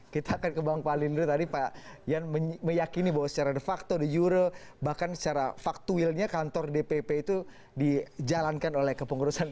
kita akan ke bang palindra tadi pak yan meyakini bahwa secara de facto di euro bahkan secara faktuilnya kantor dpp itu dijalankan oleh kepengurusan